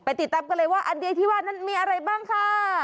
ติดตามกันเลยว่าอันเดียวที่ว่านั้นมีอะไรบ้างค่ะ